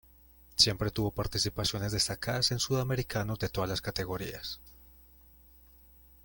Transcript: Siempre tuvo participaciones destacadas en Sudamericanos de todas las categorías.